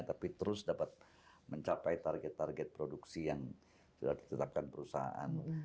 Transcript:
tapi terus dapat mencapai target target produksi yang sudah ditetapkan perusahaan